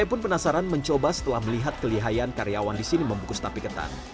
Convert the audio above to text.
saya pun penasaran mencoba setelah melihat kelihayan karyawan di sini membungkus tape ketan